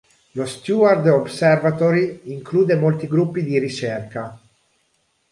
Lo Steward Observatory include molti gruppi di ricerca.